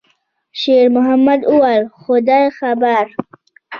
شېرمحمد وویل: «خدای خبر.»